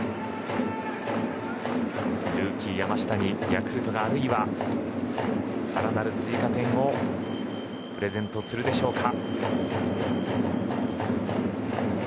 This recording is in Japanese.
あるいはルーキーの山下にヤクルトが更なる追加点をプレゼントするでしょうか。